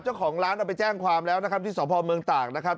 เจ้าของร้านเราไปแจ้งความแล้วนะครับที่ส่อพอร์เมืองตากนะครับ